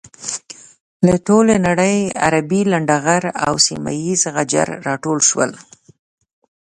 له ټولې نړۍ عربي لنډه غر او سيمه یيز غجر راټول شول.